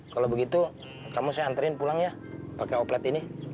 kalau begitu kamu saya anterin pulang ya pakai oplet ini